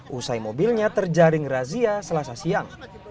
usai mobilnya terjaring razia selasa siang